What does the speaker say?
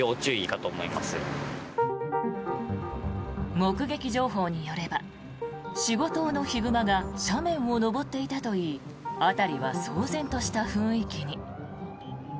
目撃情報によれば４５頭のヒグマが斜面を登っていたといい辺りは騒然とした雰囲気に。